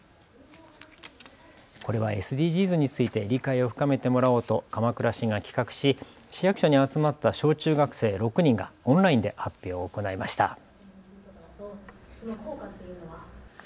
これはＳＤＧｓについて理解を深めてもらおうと鎌倉市が企画し市役所に集まった小中学生６人がオンラインで発表を行いました。